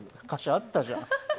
あったじゃん！